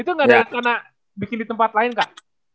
itu gak ada yang kena bikin di tempat lain kak